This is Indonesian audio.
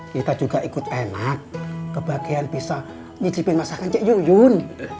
kita juga ikut enak kebagian bisa nyicipin masakan cik yuyun